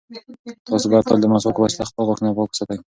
تاسو باید تل د مسواک په وسیله خپل غاښونه پاک وساتئ.